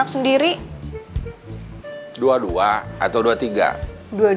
sendiri dua puluh dua atau dua puluh tiga